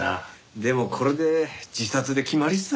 でもこれで自殺で決まりっすね。